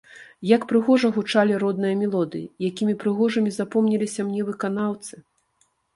Як прыгожа гучалі родныя мелодыі, якімі прыгожымі запомніліся мне выканаўцы!